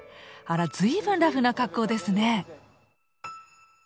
あら随分ラフな格好ですね。